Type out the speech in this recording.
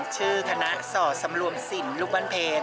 ชื่อคณะสอดสำรวมสินลูกบ้านเพล